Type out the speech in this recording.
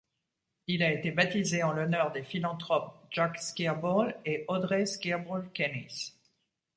Il a été baptisé en l'honneur des philanthropes Jack Skirball et Audrey Skirball-Kenis.